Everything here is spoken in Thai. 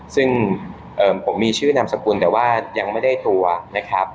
ซึ่งผมมีชื่อนามสกุลแต่ว่ายังไม่ได้ตัวนะครับ